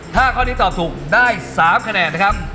ถ้าข้อนี้ตอบถูกได้๓คะแนนนะครับ